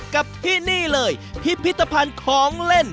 กับที่นี่เลยพิพิธภัณฑ์ของเล่น